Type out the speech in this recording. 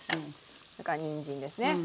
それからにんじんですね。